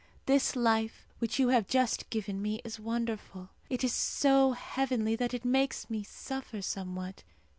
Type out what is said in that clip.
This life which you have just given me is wonderful. It is so heavenly that it makes me suffer somewhat.